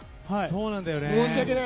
申し訳ない。